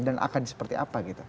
dan akan seperti apa gitu